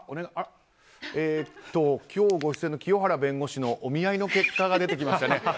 今日ご出演の清原弁護士のお見合いの結果が出てきました。